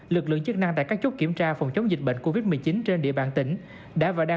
lực lượng chức năng tại các chốt kiểm tra phòng chống dịch bệnh covid một mươi chín trên địa bàn tỉnh đã và đang